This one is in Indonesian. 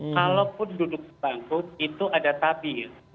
kalaupun duduk di bangku itu ada tabir